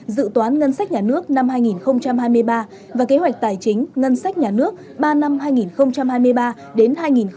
dự toán ngân sách nhà nước năm hai nghìn hai mươi ba và kế hoạch tài chính ngân sách nhà nước ba năm hai nghìn hai mươi ba đến hai nghìn hai mươi năm